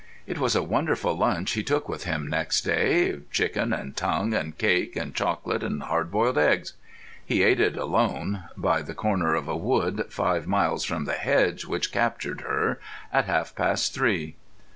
It was a wonderful lunch he took with him next day. Chicken and tongue and cake and chocolate and hard boiled eggs. He ate it alone (by the corner of a wood, five miles from the hedge which captured her) at half past three.